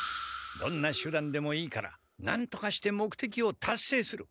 どんな手段でもいいからなんとかして目的をたっせいする。